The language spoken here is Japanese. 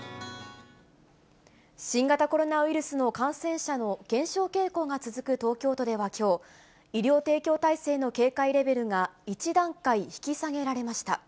新型コロナウイルスの感染者の減少傾向が続く東京都ではきょう、医療提供体制の警戒レベルが１段階引き下げられました。